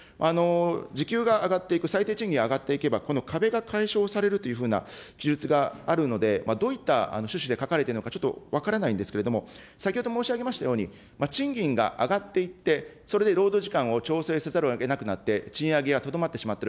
時給が上がっていく、最低賃金が上がっていけば、この壁が解消されるというふうな記述があるので、どういった趣旨で書かれているのか、ちょっと分からないんですけれども、先ほど申し上げましたように、賃金が上がっていって、それで労働時間を調整せざるをえなくなって、賃上げがとどまってしまっている、